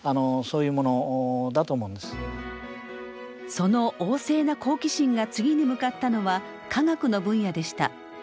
その旺盛な好奇心が次に向かったのは科学の分野でした。